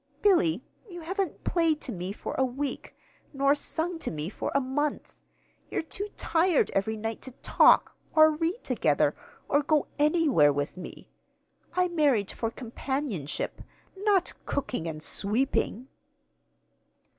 Billy, you haven't played to me for a week, nor sung to me for a month. You're too tired every night to talk, or read together, or go anywhere with me. I married for companionship not cooking and sweeping!"